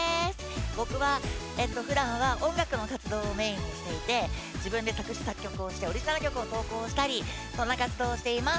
僕は、ふだんは音楽の活動をメインにしていて自分で作詞・作曲をしてオリジナル曲を投稿したりいろんな活動をしています。